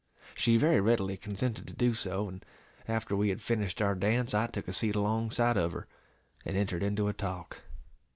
She very readily consented to do so; and after we had finished our dance, I took a seat alongside of her, and entered into a talk.